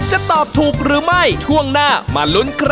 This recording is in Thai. จะตอบถูกหรือไม่ช่วงหน้ามาลุ้นครับ